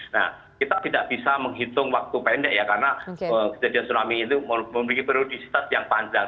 nah kita tidak bisa menghitung waktu pendek ya karena kejadian tsunami itu memiliki prioritas yang panjang